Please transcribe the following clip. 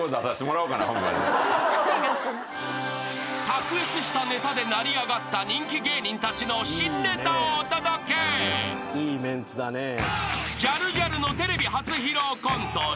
［卓越したネタで成り上がった人気芸人たちの新ネタをお届け］ねえ。